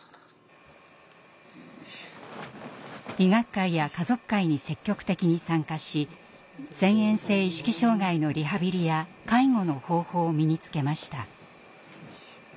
医学会や家族会に積極的に参加し遷延性意識障害のリハビリや介護の方法を身につけました。